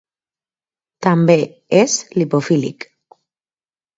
També és lipofílic.